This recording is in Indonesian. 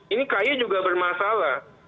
ini ky juga bermasalah